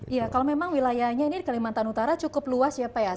iya kalau memang wilayahnya ini di kalimantan utara cukup luas ya pak ya